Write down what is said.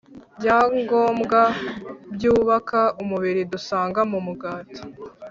byangombwa byubaka umubiri dusanga mu mugati